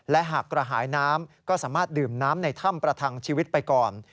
และหากกระหายน้ำก็สามารถดื่มน้ำในถ้ำประทังชีวิตไปก่อน